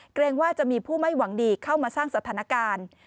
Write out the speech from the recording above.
เกรงว่าจะมีผู้ไม่หวังดีเข้ามาสร้างสถานการณ์